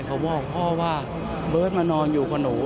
เขาบอกพ่อว่าเบิร์ตมานอนอยู่กับหนู